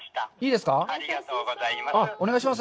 ありがとうございます。